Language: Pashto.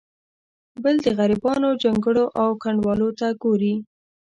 بل د غریبانو جونګړو او کنډوالو ته ګوري.